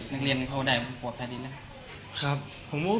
สำหรับนักเรียนไม่หวังผมทาดแล้ว